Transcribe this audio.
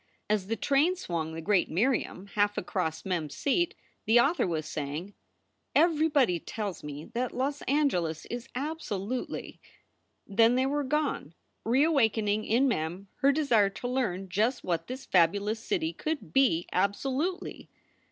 As the train swung the great Miriam half across Mem s seat the author was saying: "Everybody tells me that Los Angeles is absolutely " Then they were gone, reawakening in Mem her desire to learn just what this fabulous city could be absolutely.